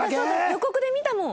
予告で見たもん。